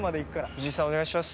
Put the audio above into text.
藤井さんお願いします。